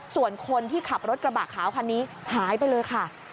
ส่วนคนที่ขับรถกระบะขาวคันนี้หายไปเลยค่ะ